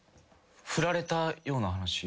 振られたような話。